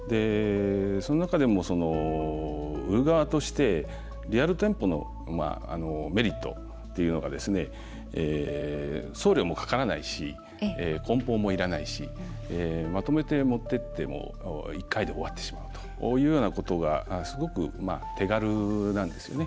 その中でも、売る側としてリアル店舗のメリットというのが送料もかからないしこん包もいらないしまとめて持っていっても一回で終わってしまうというようなことがすごく手軽なんですよね。